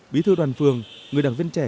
bí thư đoàn phường người đảng viên trẻ